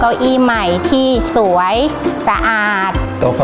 และวันนี้โรงเรียนไทรรัฐวิทยา๖๐จังหวัดพิจิตรครับ